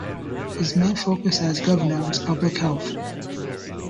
His main focus as governor was public health.